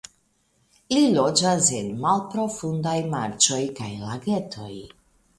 Li loĝas en malprofundaj marĉoj kaj lagetoj.